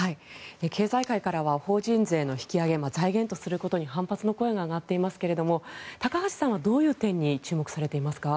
経済界からは法人税の引き上げ財源とすることに反発の声が上がっていますが高橋さんはどの点に注目されていますか。